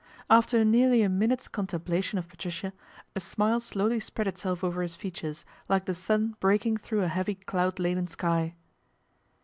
After nearly a minute's ;ontemplation of Patricia, a smile slowly spread tself over his features, like the sun breaking :hrough a heavy cloud laden sky.